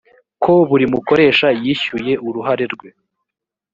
ko buri mukoresha yishyuye uruhare rwe